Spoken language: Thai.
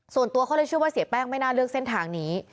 ส่วนตัวเขาเลยเชื่อว่าเสียแป้งไม่น่าเลือกเส้นทางนี้